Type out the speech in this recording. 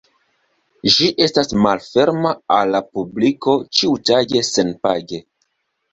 Ĝi estas malferma al la publiko ĉiutage senpage.